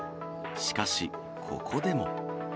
しかし、ここでも。